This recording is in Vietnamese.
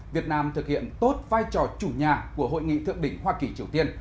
việt nam thực hiện tốt vai trò chủ nhà của hội nghị thượng đỉnh hoa kỳ triều tiên